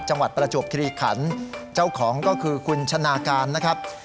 ประจวบคิริขันเจ้าของก็คือคุณชนะการนะครับ